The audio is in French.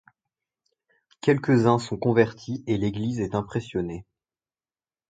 Quelques-uns sont convertis et l’église est impressionnée.